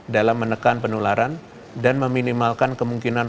dalam menekan penularan dan meminimalkan kemungkinan